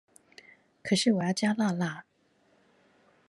可是我要加辣辣